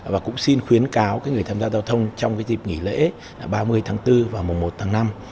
và cũng xin khuyến cáo người tham gia giao thông trong cái dịp nghỉ lễ ba mươi tháng bốn và mùa một tháng năm